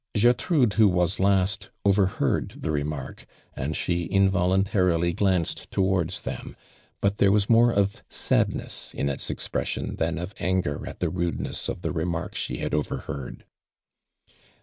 Gertrude, who was last, overheard the re mark, and she involuntarily glanced towards them, but there was more of sadness in its expression than of anger at the rudeness of the remark she had overheard.